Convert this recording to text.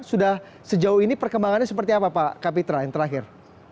sudah sejauh ini perkembangannya seperti apa pak kapitra yang terakhir